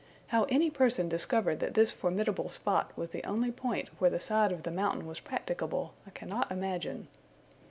How any person discovered that this formidable spot was the only point where the side of the mountain was practicable, I cannot imagine.